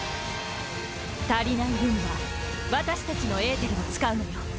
足りない分は私たちのエーテルを使うのよ。